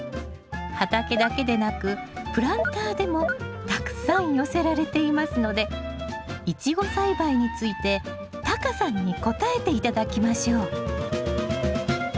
畑だけでなくプランターでもたくさん寄せられていますのでイチゴ栽培についてタカさんに答えて頂きましょう。